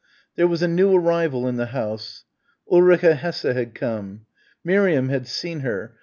And there was a new arrival in the house. Ulrica Hesse had come. Miriam had seen her.